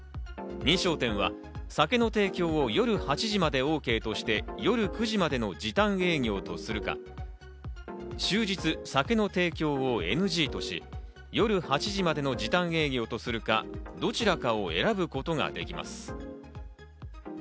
認証店は酒の提供を夜８時までＯＫとして夜９時までの時短営業とするか、終日、酒の提供をＮＧとし、夜８時までの時短営業とするか、どちらかを選ぶことができます。